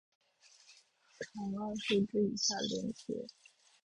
长按复制以下链接